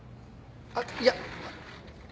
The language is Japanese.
あっいや。